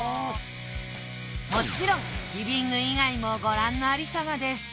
もちろんリビング以外もご覧の有様です。